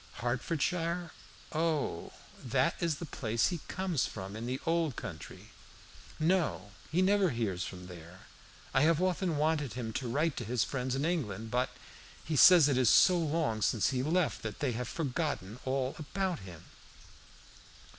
"Hertfordshire? O, that is the place he comes from in the Old Country. No, he never hears from there. I have often wanted him to write to his friends in England, but he says it is so long since he left that they have forgotten all about him."